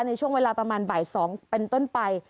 ในช่วงเวลาประมาณบ่าย๒เป็นต้นไป